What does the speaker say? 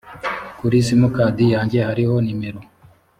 kuri simukadi yanjye hariho nimero